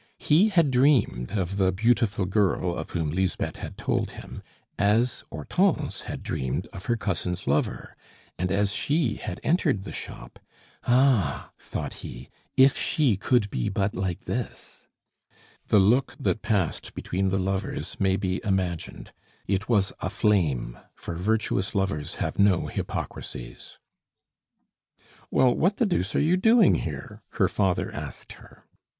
He had dreamed of the beautiful girl of whom Lisbeth had told him, as Hortense had dreamed of her cousin's lover; and, as she had entered the shop "Ah!" thought he, "if she could but be like this!" The look that passed between the lovers may be imagined; it was a flame, for virtuous lovers have no hypocrisies. "Well, what the deuce are you doing here?" her father asked her.